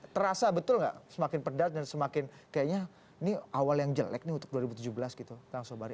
terasa betul nggak semakin pedas dan semakin kayaknya ini awal yang jelek nih untuk dua ribu tujuh belas gitu kang sobari